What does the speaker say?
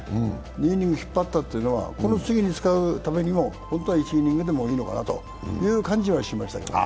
２イニング引っ張ったというのは、この日に使うためにも本当は１イニングでもいいのかなという感じはしましたけどね。